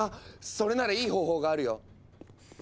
それならいい方法があるよ。